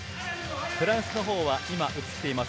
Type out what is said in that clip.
フランスのほうは今映っています。